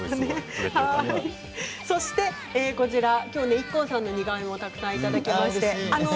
ＩＫＫＯさんの似顔絵もたくさんいただきました。